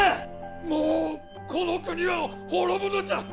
もうこの国は滅ぶのじゃ！